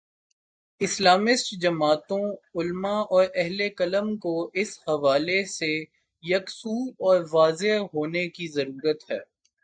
Islamist جماعتوں، علما اور اہل قلم کو اس حوالے سے یکسو اور واضح ہونے کی ضرورت ہے۔